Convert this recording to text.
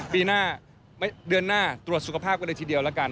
ปีหน้าเดือนหน้าตรวจสุขภาพกันเลยทีเดียวแล้วกัน